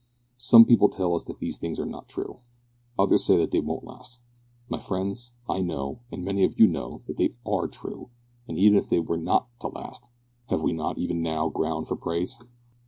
"Some people tell us that these things are not true. Others say they won't last. My friends, I know, and many of you know, that they are true, and even if they were not to last, have we not even now ground for praise?